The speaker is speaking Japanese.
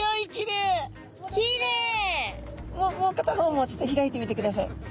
もう片方もちょっと開いてみてください。